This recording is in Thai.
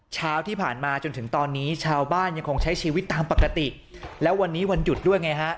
เช้าที่ผ่านมาจนถึงตอนนี้ชาวบ้านยังคงใช้ชีวิตตามปกติแล้ววันนี้วันหยุดด้วยไงฮะ